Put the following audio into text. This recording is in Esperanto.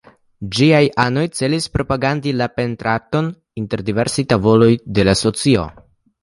Ĝiaj anoj celis propagandi la pentrarton inter diversaj tavoloj de la socio.